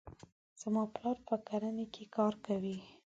زما پلار په کرنې کې کار کوي.